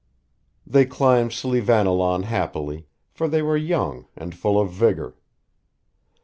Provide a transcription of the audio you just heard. They climbed Slieveannilaun happily, for they were young and full of vigour.